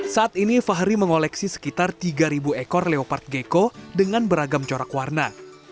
saat ini fahri mengoleksi sekitar tiga ekor leopard gecko dengan beragam corak warna